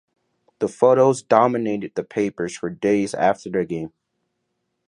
The photos dominated the papers for days after the game.